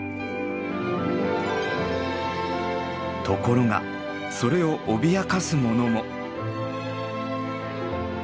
ところがそれを脅かす者も。